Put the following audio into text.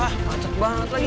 hah macet banget lagi